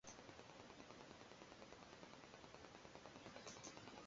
A Bolhási-víznyelőbarlangban történt feltárás során sikerült átjutni a Jávorkúti-víznyelőbarlangba.